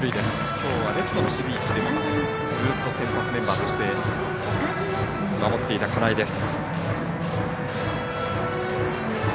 きょうはレフトの守備位置でもずっと先発メンバーとして守っていた金井です。